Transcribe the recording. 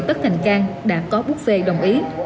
thành cang đã có bút về đồng ý